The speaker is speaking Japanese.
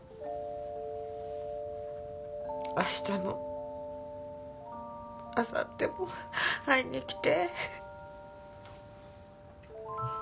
明日もあさっても会いに来て。